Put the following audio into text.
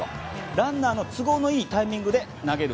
ランナーの都合のいいタイミングで投げる。